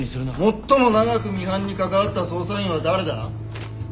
最も長くミハンに関わった捜査員は誰だ？